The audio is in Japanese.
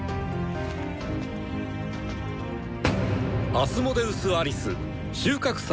アスモデウス・アリス収穫祭